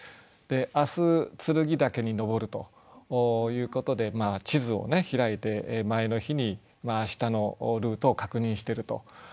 明日剱岳に登るということで地図を開いて前の日に明日のルートを確認してると。